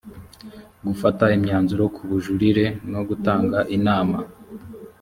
gufata imyanzuro ku bujurire no gutanga inama